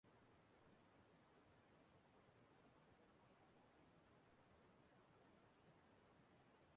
N'okwu nke ha n'ótù n'ótù na mmemme ahụ